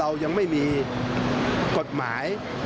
เรายังไม่มีกฎหมาย